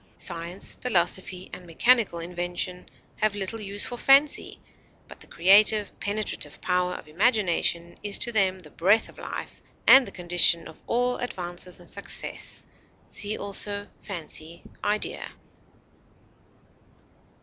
Science, philosophy, and mechanical invention have little use for fancy, but the creative, penetrative power of imagination is to them the breath of life, and the condition of all advance and success. See also FANCY; IDEA.